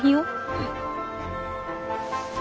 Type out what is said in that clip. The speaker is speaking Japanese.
うん。